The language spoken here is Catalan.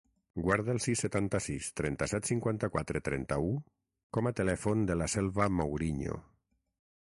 Guarda el sis, setanta-sis, trenta-set, cinquanta-quatre, trenta-u com a telèfon de la Selva Mouriño.